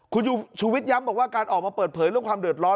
คุณชูวิทย้ำบอกว่าการออกมาเปิดเผยเรื่องความเดือดร้อน